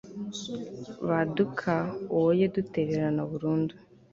baduka, woye kudutererana burundu